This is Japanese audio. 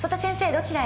どちらへ？